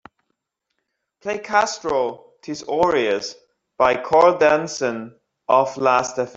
Play Kastro Tis Orias by Karl Denson off Lastfm.